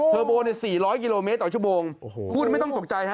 โบน๔๐๐กิโลเมตรต่อชั่วโมงพูดไม่ต้องตกใจฮะ